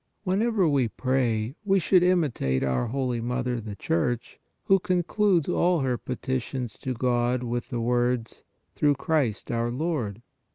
Whenever we pray, we should imitate our holy Mother the Church, who concludes all her peti tions to God with the words: ".Through Christ our Lord."